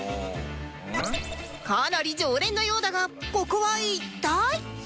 かなり常連のようだがここは一体